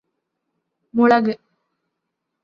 മുളക്